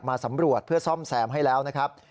สำรวจเพื่อซ่อมแซมให้แล้วนะครับ